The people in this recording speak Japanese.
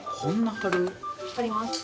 貼ります